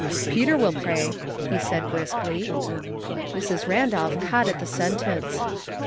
" Peter will pray," he said briskly. Mrs. Randolph caught at the sentence.